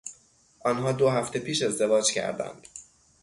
آنها دو هفته پیش ازدواج کردند.